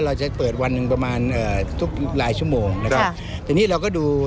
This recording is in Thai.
เราจะเปิดวันหนึ่งประมาณเอ่อทุกหลายชั่วโมงนะครับทีนี้เราก็ดู